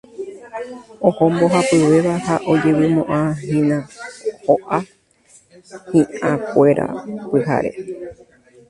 Oho mbohapyvéva ha ojevykuevomahína ho'a hi'arikuéra pyhare.